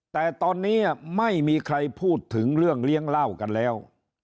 แต่ตอนนี้ไม่มีใครพูดถึงเรื่องเลี้ยงเหล้ากันแล้ว